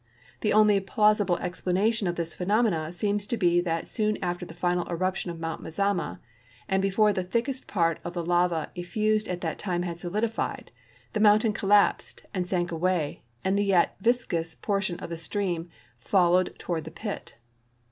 The only plausible explanation of this phenomena seems to be that soon after the final eruption of Mount Mazama, and before CRATER LAKE, OREGON 47 the thickest part of the Uiva effused at that time had soliditied, tlie mountain colUipsed and sank away and the yet viscous jx)! tion of the stream followed toward the i)it.